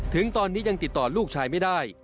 ถึงตอนนี้ยังติดต่อลูกชายไม่ได้